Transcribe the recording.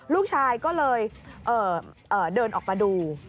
ลูกชายก็เลยเดินออกมาดู